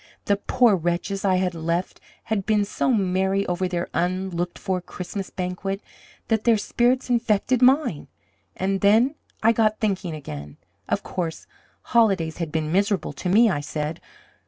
The poor wretches I had left had been so merry over their unlooked for Christmas banquet that their spirits infected mine. "And then I got thinking again. Of course, holidays had been miserable to me, I said.